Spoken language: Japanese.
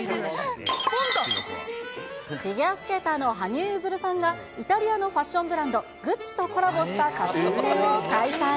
フィギュアスケーターの羽生結弦さんが、イタリアのファッションブランド、グッチとコラボした写真展を開催。